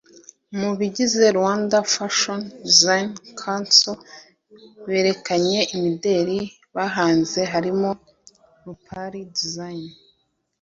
Mu bagize Rwanda Fashion Designers Council berekanye imideli bahanze harimo Rupari design